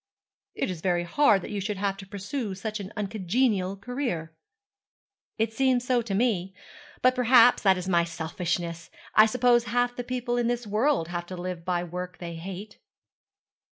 'It is very hard that you should have to pursue such an uncongenial career.' 'It seems so to me; but, perhaps, that is my selfishness. I suppose half the people in this world have to live by work they hate.'